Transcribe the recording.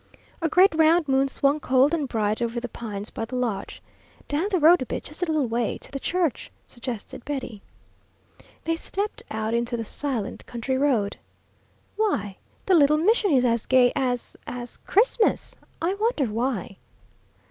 A great round moon swung cold and bright over the pines by the lodge. "Down the road a bit just a little way to the church," suggested Betty. They stepped out into the silent country road. "Why, the little mission is as gay as as Christmas! I wonder why?"